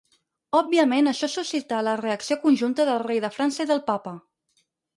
Òbviament això suscità la reacció conjunta del rei de França i del papa.